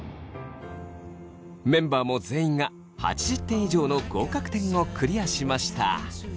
メンバーも全員が８０点以上の合格点をクリアしました。